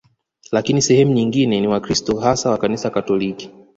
Lakini sehemu nyingine ni Wakristo hasa wa Kanisa Katoliki